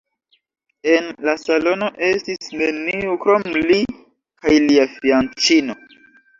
En la salono estis neniu krom li kaj lia fianĉino.